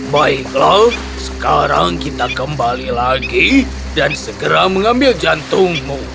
baiklah sekarang kita kembali lagi dan segera mengambil jantungmu